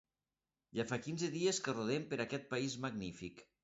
Ja fa quinze dies que rodem per aquest país magnífic.